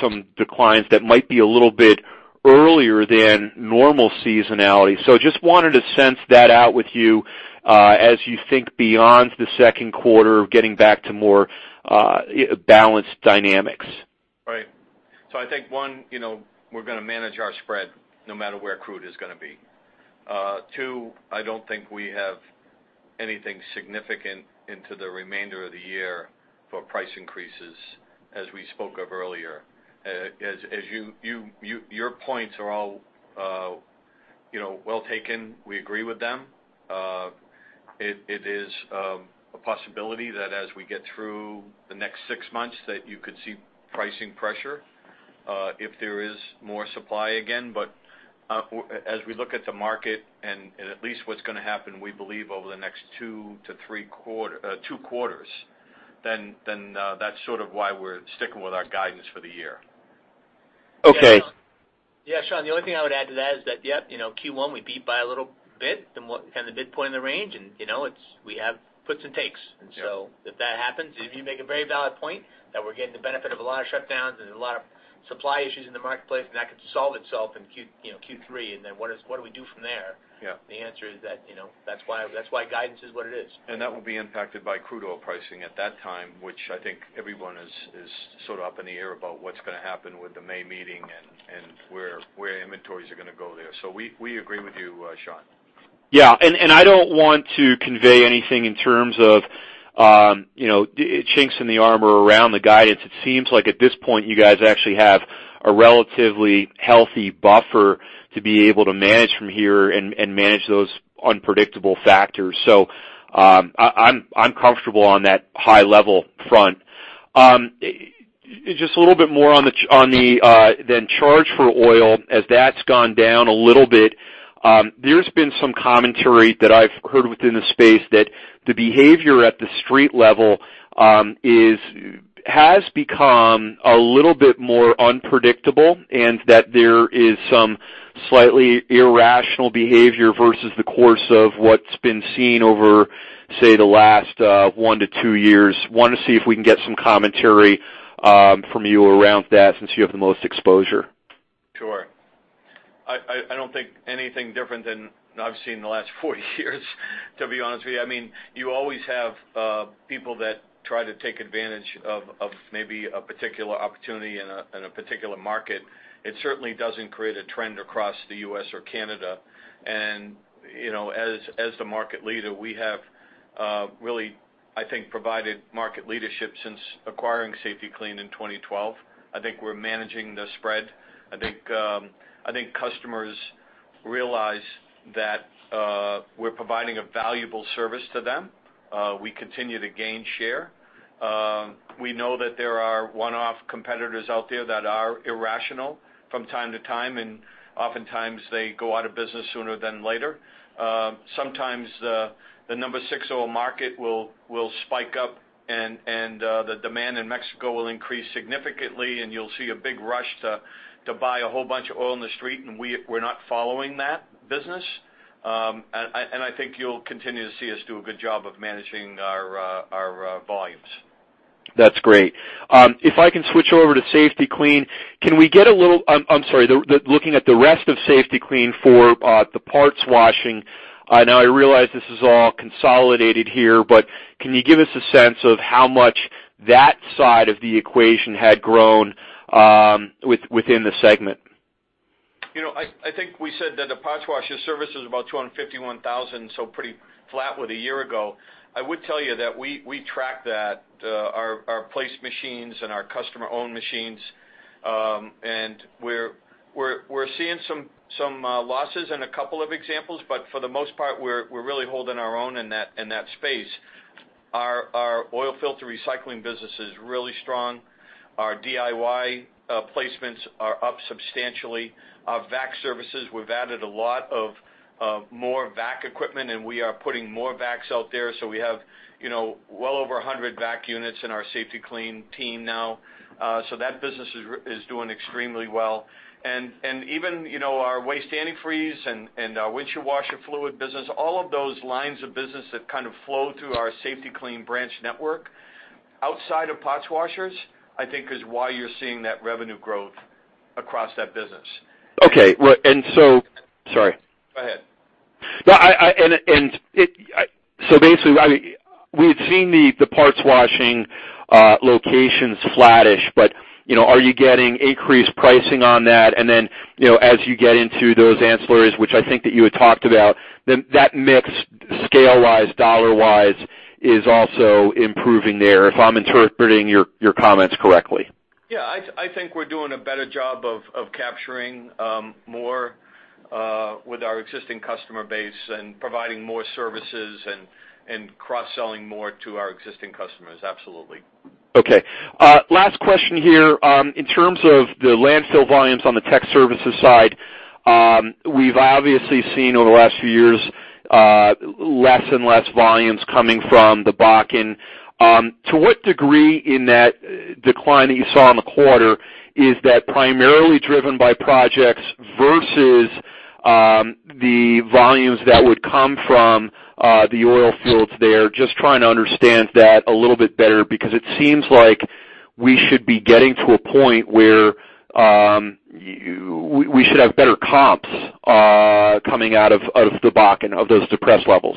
some declines that might be a little bit earlier than normal seasonality. So just wanted to sense that out with you, as you think beyond the second quarter, getting back to more balanced dynamics. Right. So I think, one, you know, we're gonna manage our spread no matter where crude is gonna be. Two, I don't think we have anything significant into the remainder of the year for price increases, as we spoke of earlier. As you, your points are all, you know, well taken. We agree with them. It is a possibility that as we get through the next six months, that you could see pricing pressure, if there is more supply again. But, as we look at the market and at least what's gonna happen, we believe, over the next two to three quarters, then, that's sort of why we're sticking with our guidance for the year. Okay. Yeah, Sean, the only thing I would add to that is that, yep, you know, Q1, we beat by a little bit than what kind of the midpoint in the range, and, you know, it's, we have puts and takes. Yeah. And so if that happens, and you make a very valid point that we're getting the benefit of a lot of shutdowns and a lot of supply issues in the marketplace, and that could solve itself in Q, you know, Q3, and then what do we do from there? Yeah. The answer is that, you know, that's why, that's why guidance is what it is. And that will be impacted by crude oil pricing at that time, which I think everyone is sort of up in the air about what's gonna happen with the main meeting and where inventories are gonna go there. So we agree with you, Sean. Yeah, I don't want to convey anything in terms of, you know, chinks in the armor around the guidance. It seems like, at this point, you guys actually have a relatively healthy buffer to be able to manage from here and manage those unpredictable factors. So, I'm comfortable on that high level front. Just a little bit more on the CFO as that's gone down a little bit. There's been some commentary that I've heard within the space that the behavior at the street level has become a little bit more unpredictable, and that there is some slightly irrational behavior versus the course of what's been seen over, say, the last one to two years. Want to see if we can get some commentary, from you around that since you have the most exposure. Sure. I don't think anything different than I've seen in the last 40 years, to be honest with you. I mean, you always have people that try to take advantage of maybe a particular opportunity in a particular market. It certainly doesn't create a trend across the US or Canada. And, you know, as the market leader, we have really-... I think, provided market leadership since acquiring Safety-Kleen in 2012. I think we're managing the spread. I think, I think customers realize that, we're providing a valuable service to them. We continue to gain share. We know that there are one-off competitors out there that are irrational from time to time, and oftentimes they go out of business sooner than later. Sometimes the Number 6 oil market will spike up, and the demand in Mexico will increase significantly, and you'll see a big rush to buy a whole bunch of oil in the street, and we're not following that business. And I think you'll continue to see us do a good job of managing our volumes. That's great. If I can switch over to Safety-Kleen, can we get a little, I'm sorry, looking at the rest of Safety-Kleen for the parts washing. I know I realize this is all consolidated here, but can you give us a sense of how much that side of the equation had grown within the segment? You know, I think we said that the parts washer service is about 251,000, so pretty flat with a year ago. I would tell you that we track that, our placed machines and our customer-owned machines, and we're seeing some losses in a couple of examples, but for the most part, we're really holding our own in that space. Our oil filter recycling business is really strong. Our DIY placements are up substantially. Our vac services, we've added a lot of more vac equipment, and we are putting more vacs out there, so we have, you know, well over 100 vac units in our Safety-Kleen team now. So that business is doing extremely well. Even, you know, our waste antifreeze and our windshield washer fluid business, all of those lines of business that kind of flow through our Safety-Kleen branch network, outside of parts washers, I think is why you're seeing that revenue growth across that business. Okay. Well, and so... Sorry. Go ahead. No, so basically, we had seen the parts washing locations flattish, but you know, are you getting increased pricing on that? And then, you know, as you get into those ancillaries, which I think that you had talked about, then that mix, scale-wise, dollar-wise, is also improving there, if I'm interpreting your comments correctly. Yeah, I, I think we're doing a better job of, of capturing, more, with our existing customer base and providing more services and, and cross-selling more to our existing customers. Absolutely. Okay. Last question here. In terms of the landfill volumes on the Tech Services side, we've obviously seen over the last few years, less and less volumes coming from the Bakken. To what degree in that decline that you saw in the quarter is that primarily driven by projects versus, the volumes that would come from, the oil fields there? Just trying to understand that a little bit better because it seems like we should be getting to a point where, we, we should have better comps, coming out of, out of the Bakken, of those depressed levels.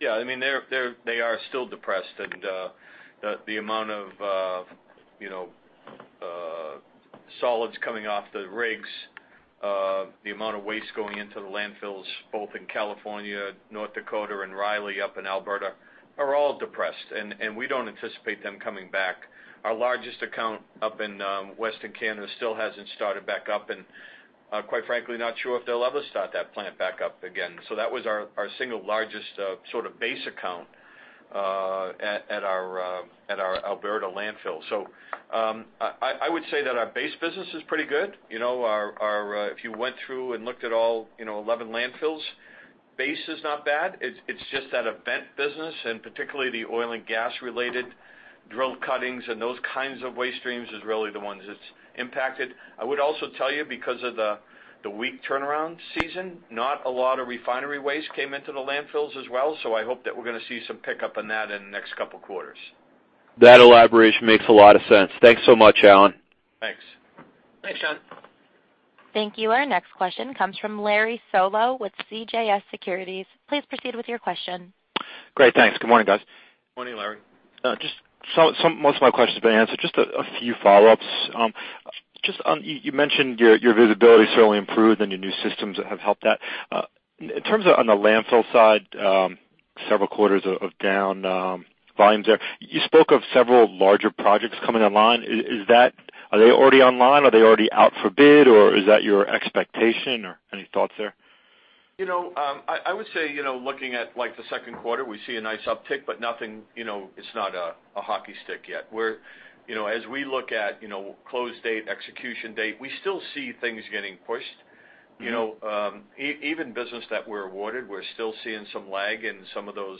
Yeah, I mean, they are still depressed, and the amount of, you know, solids coming off the rigs, the amount of waste going into the landfills, both in California, North Dakota, and Ryley, up in Alberta, are all depressed, and we don't anticipate them coming back. Our largest account up in Western Canada still hasn't started back up, and quite frankly, not sure if they'll ever start that plant back up again. So that was our single largest sort of base account at our Alberta landfill. So I would say that our base business is pretty good. You know, our... If you went through and looked at all, you know, 11 landfills, base is not bad. It's just that event business, and particularly the oil and gas-related drill cuttings and those kinds of waste streams is really the ones that's impacted. I would also tell you, because of the weak turnaround season, not a lot of refinery waste came into the landfills as well, so I hope that we're gonna see some pickup on that in the next couple quarters. That elaboration makes a lot of sense. Thanks so much, Alan. Thanks. Thanks, Sean. Thank you. Our next question comes from Larry Solow with CJS Securities. Please proceed with your question. Great, thanks. Good morning, guys. Good morning, Larry. Most of my questions have been answered. Just a few follow-ups. Just, you mentioned your visibility certainly improved and your new systems have helped that. In terms of on the landfill side, several quarters of down volumes there, you spoke of several larger projects coming online. Are they already online? Are they already out for bid, or is that your expectation, or any thoughts there? You know, I would say, you know, looking at, like, the second quarter, we see a nice uptick, but nothing, you know, it's not a hockey stick yet. We're, you know, as we look at, you know, close date, execution date, we still see things getting pushed. Mm-hmm. You know, even business that we're awarded, we're still seeing some lag in some of those,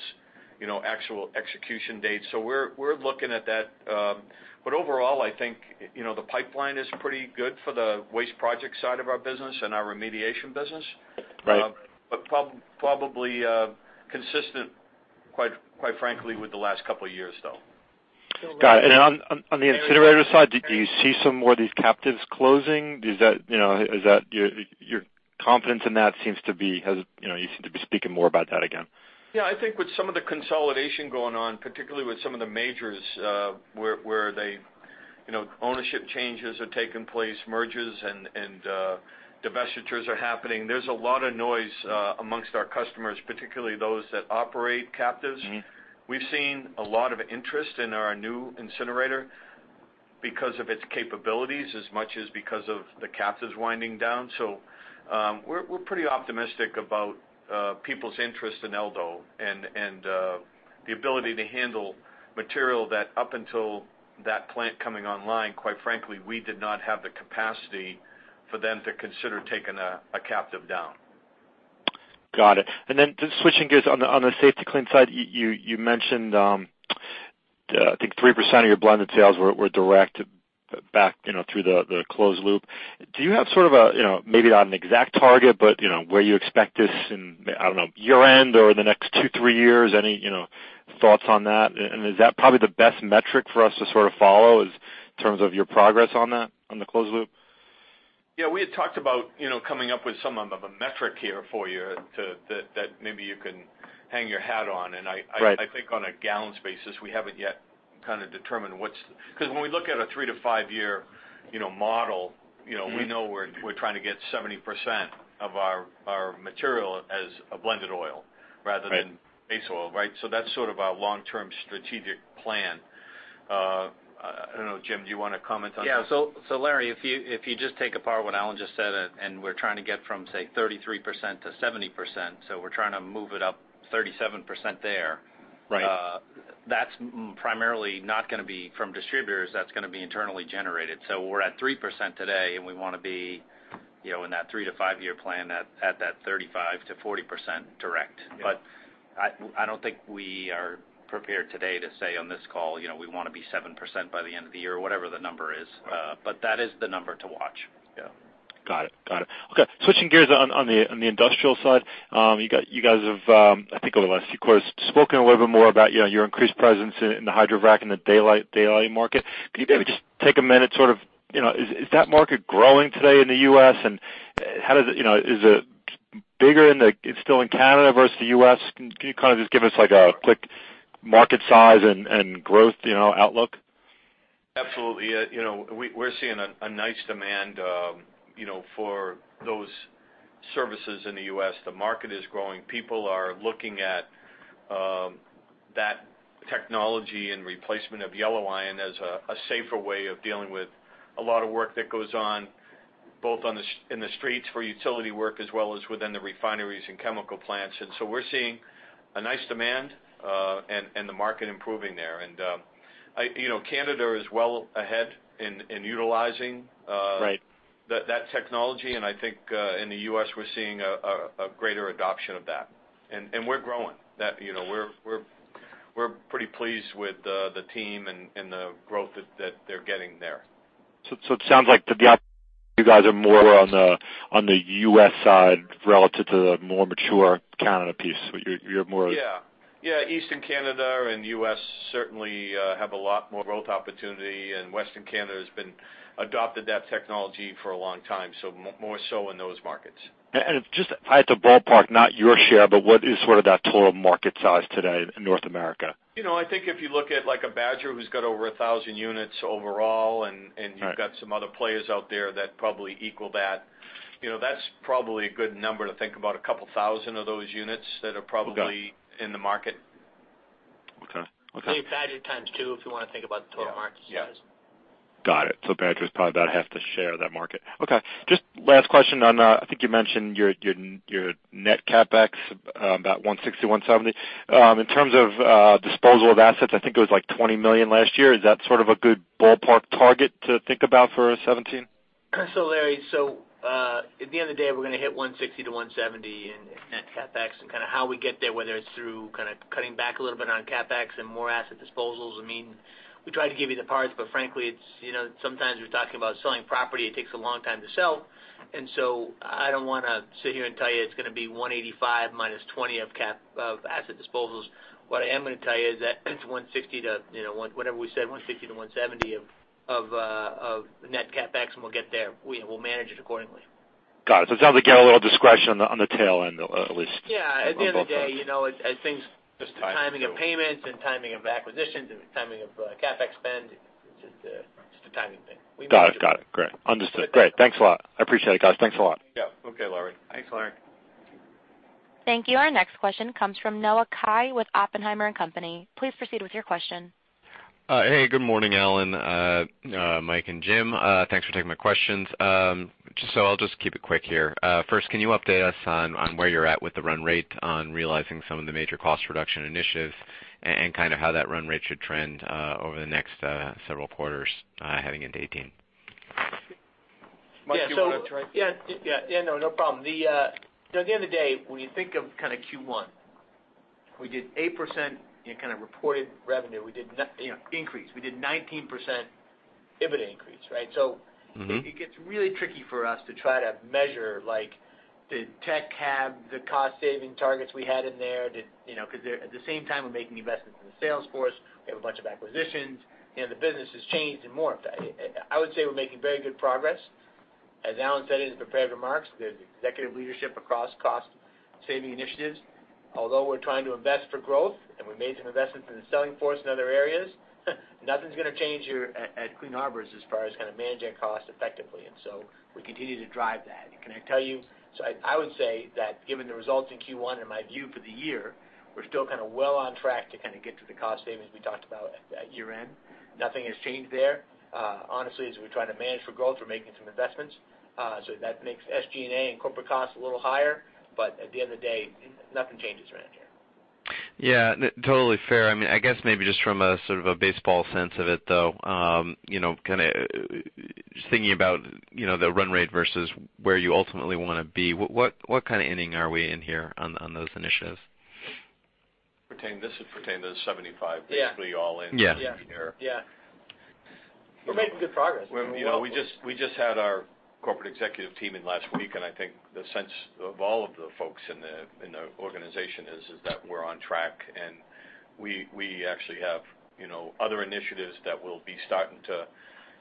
you know, actual execution dates. So we're looking at that, but overall, I think, you know, the pipeline is pretty good for the waste project side of our business and our remediation business. Right. But probably, consistent, quite frankly, with the last couple of years, though. Got it. And on the incinerator side, do you see some more of these captives closing? Does that, you know, is that... Your confidence in that seems to be, you know, you seem to be speaking more about that again. Yeah, I think with some of the consolidation going on, particularly with some of the majors, where they, you know, ownership changes are taking place, mergers and divestitures are happening. There's a lot of noise amongst our customers, particularly those that operate captives. Mm-hmm. We've seen a lot of interest in our new incinerator because of its capabilities as much as because of the captives winding down. So, we're pretty optimistic about people's interest in El Dorado and the ability to handle material that up until that plant coming online, quite frankly, we did not have the capacity for them to consider taking a captive down. Got it. And then just switching gears on the, on the Safety-Kleen side, you, you mentioned, I think 3% of your blended sales were, were direct back, you know, through the, the closed loop. Do you have sort of a, you know, maybe not an exact target, but, you know, where you expect this in, I don't know, year-end or the next 2, 3 years? Any, you know, thoughts on that? And is that probably the best metric for us to sort of follow is in terms of your progress on that, on the closed loop? Yeah, we had talked about, you know, coming up with some of a metric here for you that maybe you can hang your hat on. Right. I, I think on a gallon basis, we haven't yet kind of determined what's... Because when we look at a three to five year, you know, model, you know- Mm-hmm... we know we're trying to get 70% of our material as a blended oil rather than- Right - base oil, right? So that's sort of our long-term strategic plan. I don't know, Jim, do you want to comment on that? Yeah. So, Larry, if you just take apart what Alan just said, and we're trying to get from, say, 33% to 70%, so we're trying to move it up 37% there. Right. That's primarily not gonna be from distributors, that's gonna be internally generated. So we're at 3% today, and we wanna be, you know, in that 3- to 5-year plan at that 35%-40% direct. Yeah. But I don't think we are prepared today to say on this call, you know, we wanna be 7% by the end of the year, or whatever the number is. Right. But that is the number to watch. Yeah. Got it. Got it. Okay, switching gears on the industrial side, you guys have, I think over the last few quarters, spoken a little bit more about, you know, your increased presence in the hydrovac and the daylighting market. Can you maybe just take a minute, sort of, you know, is that market growing today in the U.S., and how does it... You know, is it bigger still in Canada versus the U.S.? Can you kind of just give us, like, a quick market size and growth, you know, outlook? Absolutely. You know, we're seeing a nice demand, you know, for those services in the U.S. The market is growing. People are looking at that technology and replacement of yellow iron as a safer way of dealing with a lot of work that goes on, both on the streets for utility work, as well as within the refineries and chemical plants. And so we're seeing a nice demand, and the market improving there. And, you know, Canada is well ahead in utilizing. Right... that technology, and I think in the U.S., we're seeing a greater adoption of that. And we're growing. You know, we're pretty pleased with the team and the growth that they're getting there. So, it sounds like you guys are more on the U.S. side relative to the more mature Canada piece, but you're more- Yeah. Yeah, Eastern Canada and U.S. certainly have a lot more growth opportunity. And Western Canada has adopted that technology for a long time, so more so in those markets. Just at the ballpark, not your share, but what is sort of that total market size today in North America? You know, I think if you look at, like, a Badger who's got over 1,000 units overall, and, and- Right... you've got some other players out there that probably equal that, you know, that's probably a good number to think about, 2,000 of those units that are probably- Okay... in the market. Okay. Okay. Maybe Badger times 2, if you wanna think about the total market size. Yeah. Yeah. Got it. So Badger's probably about half the share of that market. Okay, just last question on, I think you mentioned your net CapEx about $160-$170. In terms of disposal of assets, I think it was like $20 million last year. Is that sort of a good ballpark target to think about for 2017? So, Larry, so, at the end of the day, we're gonna hit $160-$170 in net CapEx. And kind of how we get there, whether it's through kind of cutting back a little bit on CapEx and more asset disposals, I mean, we try to give you the parts, but frankly, it's, you know, sometimes you're talking about selling property, it takes a long time to sell. And so I don't wanna sit here and tell you it's gonna be $185 minus $20 of CapEx or asset disposals. What I am gonna tell you is that it's $160 to, you know, whatever we said, $160-$170 of net CapEx, and we'll get there. We will manage it accordingly. Got it. So it sounds like you have a little discretion on the tail end, at least. Yeah. At the end of the day, you know, it's, it's things- Just the timing of payments- Yeah... and timing of acquisitions and timing of, CapEx spend. It's just a, just a timing thing. We manage it. Got it. Got it. Great. Understood. Great. Thanks a lot. I appreciate it, guys. Thanks a lot. Yeah. Okay, Larry. Thanks, Larry. Thank you. Our next question comes from Noah Kaye with Oppenheimer and Company. Please proceed with your question. Hey, good morning, Alan, Mike, and Jim. Thanks for taking my questions. Just so I'll just keep it quick here. First, can you update us on where you're at with the run rate on realizing some of the major cost reduction initiatives, and kind of how that run rate should trend over the next several quarters heading into 2018? Mike, do you want to try? Yeah. Yeah, yeah, no, no problem. The, you know, at the end of the day, when you think of kind of Q1, we did 8% in kind of reported revenue. We did you know, increase. We did 19% EBITDA increase, right? Mm-hmm. So it gets really tricky for us to try to measure, like, did tech have the cost-saving targets we had in there? You know, 'cause at the same time, we're making investments in the sales force, we have a bunch of acquisitions, you know, the business has changed and more of that. I would say we're making very good progress. As Alan said in his prepared remarks, there's executive leadership across cost-saving initiatives. Although we're trying to invest for growth, and we made some investments in the sales force in other areas, nothing's gonna change here at Clean Harbors as far as kind of managing costs effectively. And so we continue to drive that. Can I tell you? So I would say that given the results in Q1 and my view for the year, we're still kind of well on track to kind of get to the cost savings we talked about at year-end. Nothing has changed there. Honestly, as we're trying to manage for growth, we're making some investments. So that makes SG&A and corporate costs a little higher, but at the end of the day, nothing changes around here. Yeah, totally fair. I mean, I guess maybe just from a sort of a baseball sense of it, though, you know, kinda just thinking about, you know, the run rate versus where you ultimately wanna be, what kind of inning are we in here on those initiatives? Pretend this is pretend there's 75- Yeah. Basically all in- Yeah. Yeah. Yeah. We're making good progress. Well, you know, we just had our corporate executive team in last week, and I think the sense of all of the folks in the organization is that we're on track, and we actually have, you know, other initiatives that we'll be starting to,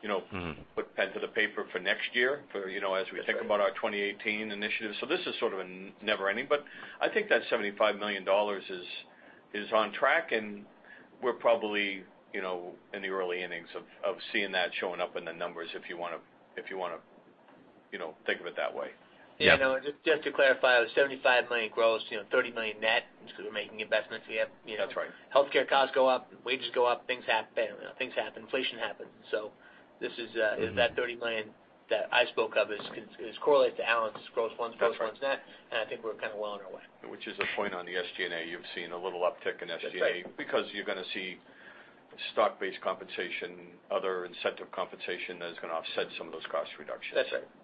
you know- Mm-hmm... put pen to the paper for next year, for, you know, as we think about our 2018 initiatives. So this is sort of a never ending, but I think that $75 million is, is on track, and we're probably, you know, in the early innings of, of seeing that showing up in the numbers, if you wanna, if you wanna, you know, think of it that way. Yeah. You know, just, just to clarify, the $75 million gross, you know, $30 million net, just because we're making investments. We have, you know- That's right. Healthcare costs go up, wages go up, things happen, things happen, inflation happens. So this is, that $30 million that I spoke of is correlates to Alan's gross ones- That's right. Gross ones net, and I think we're kind of well on our way. Which is a point on the SG&A. You've seen a little uptick in SG&A- That's right... because you're gonna see stock-based compensation, other incentive compensation, that is gonna offset some of those cost reductions. That's right. That's right.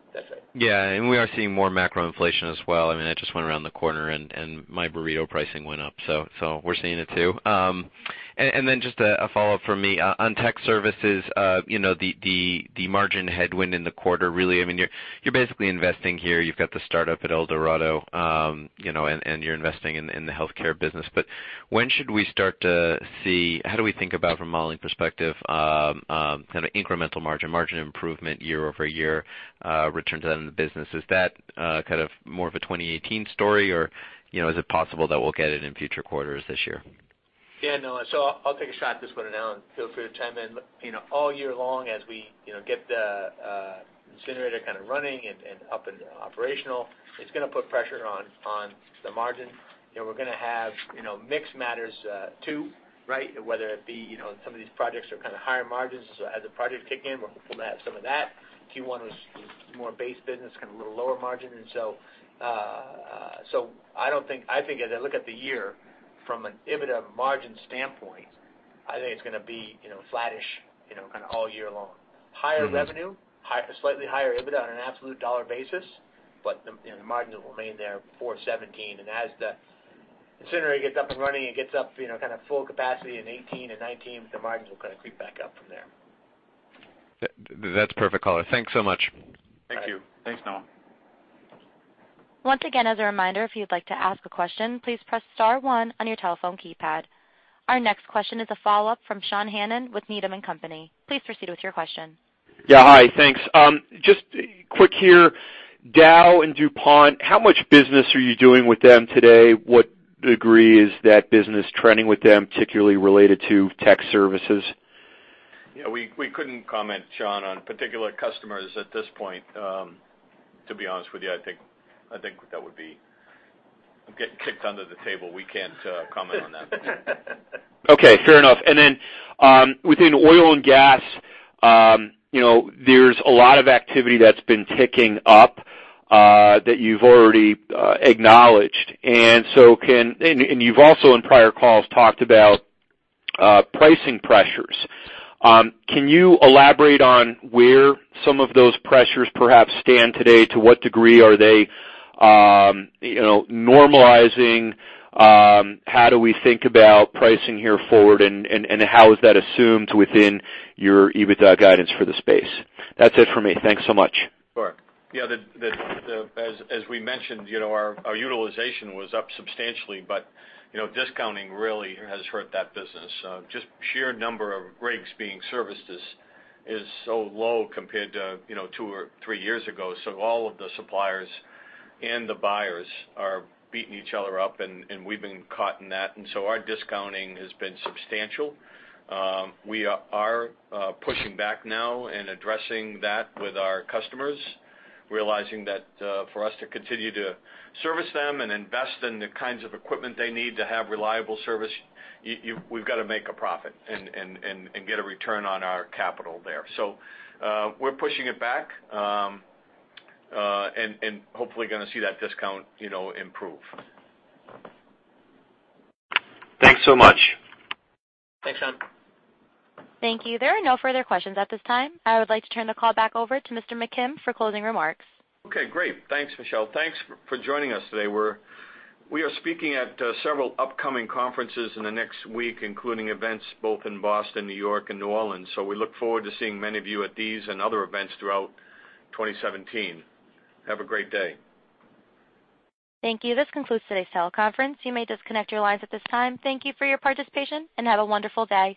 Yeah, and we are seeing more macro inflation as well. I mean, I just went around the corner and my burrito pricing went up, so we're seeing it, too. And then just a follow-up from me. On Tech Services, you know, the margin headwind in the quarter, really, I mean, you're basically investing here. You've got the startup at El Dorado, you know, and you're investing in the healthcare business. But when should we start to see... How do we think about from a modeling perspective, kind of incremental margin, margin improvement year-over-year, return to that in the business? Is that kind of more of a 2018 story, or, you know, is it possible that we'll get it in future quarters this year? Yeah, no, so I'll, I'll take a shot at this one, and Alan, feel free to chime in. You know, all year long, as we, you know, get the generator kind of running and up and operational, it's gonna put pressure on the margin, and we're gonna have, you know, mix matters too, right? Whether it be, you know, some of these projects are kind of higher margins. So as the projects kick in, we're hoping to have some of that. Q1 was more base business, kind of a little lower margin. And so, so I don't think. I think as I look at the year from an EBITDA margin standpoint, I think it's gonna be, you know, flattish, you know, kind of all year long. Mm-hmm. Higher revenue, slightly higher EBITDA on an absolute dollar basis, but, you know, the margin will remain there for 2017. And as the incinerator gets up and running and gets up, you know, kind of full capacity in 2018 and 2019, the margins will kind of creep back up from there. That's perfect, caller. Thanks so much. Thank you. Thanks, Noah. Once again, as a reminder, if you'd like to ask a question, please press star one on your telephone keypad. Our next question is a follow-up from Sean Hannan with Needham and Company. Please proceed with your question. Yeah. Hi, thanks. Just quick here, Dow and DuPont, how much business are you doing with them today? What degree is that business trending with them, particularly related to Tech Services? Yeah, we couldn't comment, Sean, on particular customers at this point. To be honest with you, I think that would be getting kicked under the table. We can't comment on that. Okay, fair enough. And then, within oil and gas, you know, there's a lot of activity that's been ticking up that you've already acknowledged. And you've also, in prior calls, talked about pricing pressures. Can you elaborate on where some of those pressures perhaps stand today? To what degree are they, you know, normalizing? How do we think about pricing here forward, and, and, and how is that assumed within your EBITDA guidance for the space? That's it for me. Thanks so much. Sure. Yeah, as we mentioned, you know, our utilization was up substantially, but, you know, discounting really has hurt that business. Just the sheer number of rigs being serviced is so low compared to, you know, two or three years ago. So all of the suppliers and the buyers are beating each other up, and we've been caught in that. So our discounting has been substantial. We are pushing back now and addressing that with our customers, realizing that for us to continue to service them and invest in the kinds of equipment they need to have reliable service, we've got to make a profit and get a return on our capital there. So, we're pushing it back, and hopefully gonna see that discount, you know, improve. Thanks so much. Thanks, Sean. Thank you. There are no further questions at this time. I would like to turn the call back over to Mr. McKim for closing remarks. Okay, great. Thanks, Michelle. Thanks for joining us today. We are speaking at several upcoming conferences in the next week, including events both in Boston, New York, and New Orleans, so we look forward to seeing many of you at these and other events throughout 2017. Have a great day. Thank you. This concludes today's teleconference. You may disconnect your lines at this time. Thank you for your participation, and have a wonderful day.